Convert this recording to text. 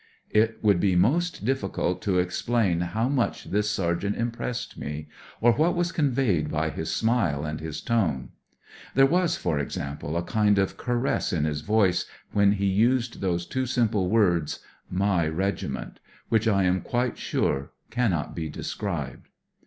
It would be most difficult to explain how much this sergeant impressed me, or what was conveyed by his smile and his tone. There was, for example, a kind of caress in his voice when he used those two simple words " my Regiment," which I am quite sure cannot be described.